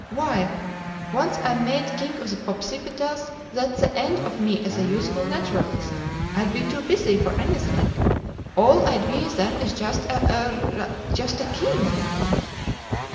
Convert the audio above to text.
Why, once I'm made King of the Popsipetels, that's the end of me as a useful naturalist. I'd be too busy for anything. All I'd be then is just a er—er—just a king."